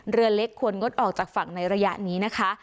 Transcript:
เรือเล็กควรงดออกจากฝั่งในระยะนี้นะคะ